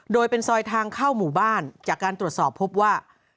โดยเป็นซอยทางเข้าหมู่บ้านจากการตรวจสอบพบว่า